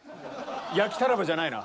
焼きタラバじゃないな。